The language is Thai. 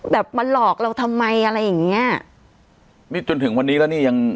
แบบมาหลอกเราทำไมอะไรอย่างเงี้ยนี่จนถึงวันนี้แล้วนี่ยัง